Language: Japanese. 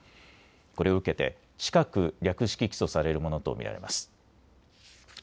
これを受けて、近く略式起訴されるものと見られます。